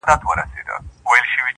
خو وجدان يې ورسره دی تل